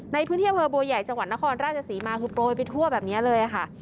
ในพื้นที่อำเภอบัวใหญ่จังหวัดนครราชศรีมาคือโปรยไปทั่วแบบนี้เลยค่ะ